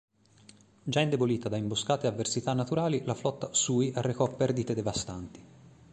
Già indebolita da imboscate e avversità naturali, la flotta Sui arrecò perdite devastanti.